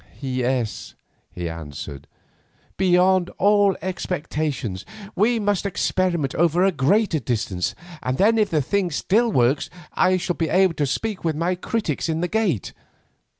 "Yes," he answered, "beyond all expectations. We must experiment over a greater distance, and then if the thing still works I shall be able to speak with my critics in the gate.